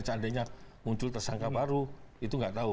seandainya muncul tersangka baru itu nggak tahu